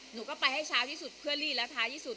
หนูก็ไปให้เช้าที่สุดเพื่อรีดแล้วท้ายที่สุด